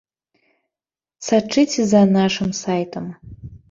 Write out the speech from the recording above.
Сачыце за нашым сайтам.